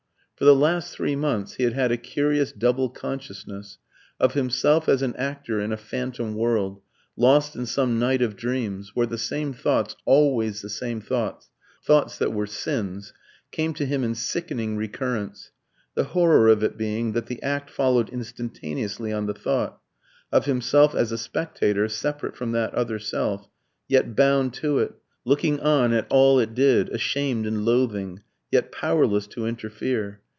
For the last three months he had had a curious double consciousness: of himself as an actor in a phantom world, lost in some night of dreams, where the same thoughts always, the same thoughts thoughts that were sins came to him in sickening recurrence; the horror of it being that the act followed instantaneously on the thought: of himself as a spectator, separate from that other self, yet bound to it; looking on at all it did, ashamed and loathing, yet powerless to interfere.